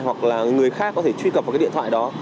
hoặc là người khác có thể truy cập vào cái điện thoại đó